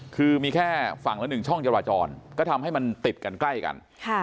คือมีแค่ฝั่งละ๑ช่องจราจรก็ทำให้มันติดกันใกล้กัน